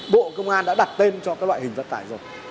bộ công an đã đặt tên cho các loại hình vận tải rồi